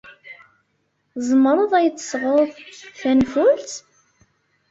Tzemred ad iyi-d-tesɣed tanfult?